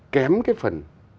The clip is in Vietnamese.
kém cái phần